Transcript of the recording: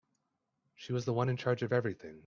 She was the one in charge of everything.